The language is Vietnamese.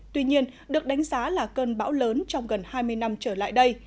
tuy nhiên được đánh giá là cơn bão lớn trong gần hai mươi năm trở lại đây